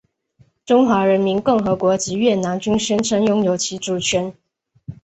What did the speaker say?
中华人民共和国及越南均宣称拥有其主权。